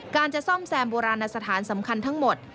การจะซ่อมแซมโบราณสถานสำคัญทั้งหมด